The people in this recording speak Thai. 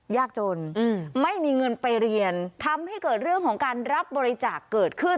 ยากจนไม่มีเงินไปเรียนทำให้เกิดเรื่องของการรับบริจาคเกิดขึ้น